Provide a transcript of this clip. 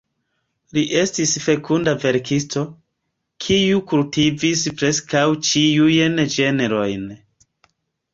Li estis fekunda verkisto, kiu kultivis preskaŭ ĉiujn ĝenrojn.